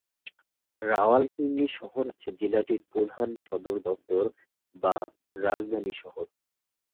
রাওয়ালপিন্ডি শহর হচ্ছে জেলাটির প্রধান সদর দপ্তর বা রাজধানী শহর।